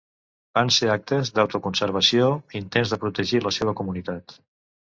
Van ser actes d'autoconservació, intents de protegir la seva comunitat.